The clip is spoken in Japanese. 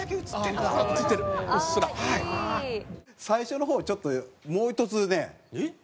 最初の方ちょっともうひとつね。